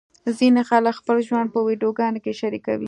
ځینې خلک خپل ژوند په ویډیوګانو کې شریکوي.